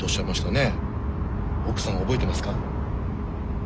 奥さん覚えてますか？